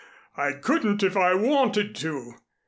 I couldn't if I wanted to.